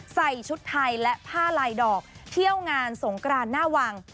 ใส่ชุดไทยและผ้าลายดอกเที่ยวงานสงกรานหน้าวัง